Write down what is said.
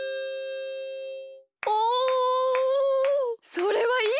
それはいい